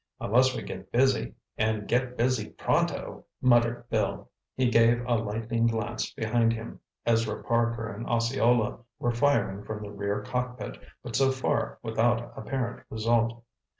"Unless we get busy—and get busy pronto!" muttered Bill. He gave a lightning glance behind him. Ezra Parker and Osceola were firing from the rear cockpit, but so far without apparent result.